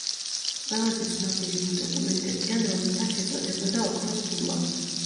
ყველაზე ცნობილი იმ დოკუმენტებიდან, რომელთაც ეწოდებოდა „ოქროს ბულა“.